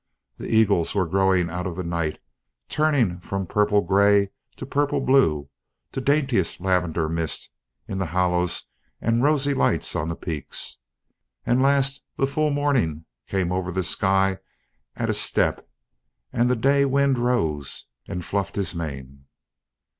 The Eagles were growing out of the night, turning from purple grey to purple blue, to daintiest lavender mist in the hollows and rosy light on the peaks, and last the full morning came over the sky at a step and the day wind rose and fluffed his mane.